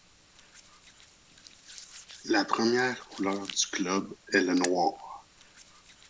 La première couleur du club est le noir.